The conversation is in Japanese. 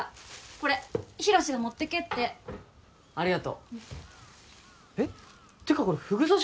これ博が持ってけってありがとうえってかこれフグサシ？